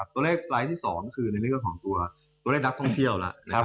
ตัวเลขสไลด์ที่๒คือในเรื่องของตัวเลขนักท่องเที่ยวแล้ว